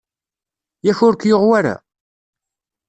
Yak ur k-yuɣ wara?